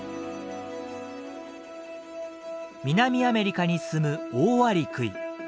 南アメリカにすむオオアリクイ。